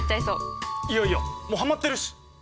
いやいやもうハマってるし。